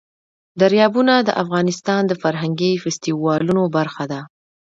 دریابونه د افغانستان د فرهنګي فستیوالونو برخه ده.